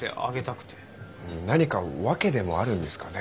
何か訳でもあるんですかねえ。